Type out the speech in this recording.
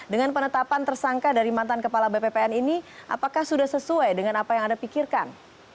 dengan penetapan tersangka dari mantan kepala bppn ini apakah sudah sesuai dengan apa yang anda pikirkan